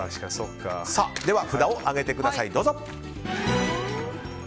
では、札を上げてください。